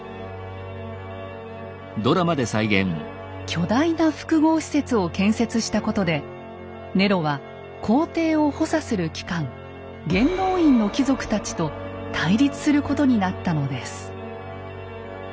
巨大な複合施設を建設したことでネロは皇帝を補佐する機関元老院の貴族たちと対立することになったのです。